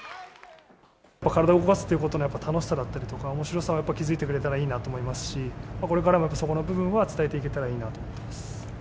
体を動かすということの楽しさだったりとか、おもしろさに気付いてくれたらいいなと思いますし、これからもそこの部分は伝えていけたらいいなと思ってます。